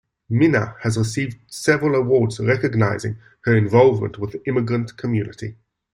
Minna has received several awards recognizing her involvement with the immigrant community.